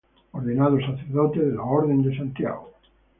Ordenado sacerdote de la orden de Santiago.